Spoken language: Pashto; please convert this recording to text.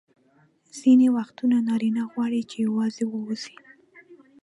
ځیني وختونه نارینه غواړي چي یوازي واوسي.